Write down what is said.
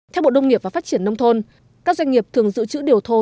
theo bộ nông nghiệp và phát triển nông thôn các doanh nghiệp thường giữ chữ điều thô